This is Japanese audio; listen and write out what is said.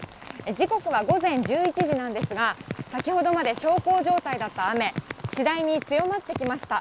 時刻は午前１１時なんですが、先ほどまで小康状態だった雨、次第に強まってきました。